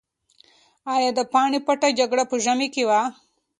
ایا د پاني پت جګړه په ژمي کې وه؟